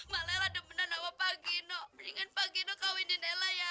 malah ela demenan sama pak gino mendingan pak gino kawinin ela ya